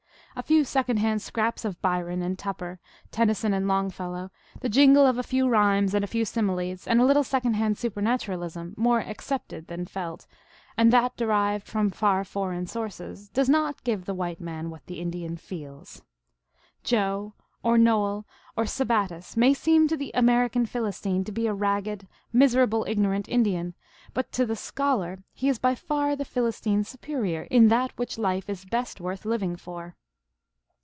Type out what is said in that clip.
A few second hand scraps of Byron and Tupper, Tennyson and Longfellow, the jingle of a few rhymes and a few similes, and a little second hand supernaturalism, more " accepted " than felt, and that derived from far foreign sources, does not give the white man what the Indian feels. Joe, or Noel, or Sabattis may seem to the American Philistine to be a ragged, miserable, ignorant Indian ; but to the scholar he is by far the Philistine s superior in that which life is best worth living for.